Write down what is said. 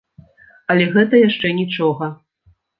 Але гэта яшчэ нічога.